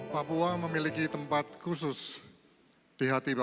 papua memiliki tempat khusus di hati bapak